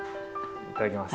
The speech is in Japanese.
いただきます。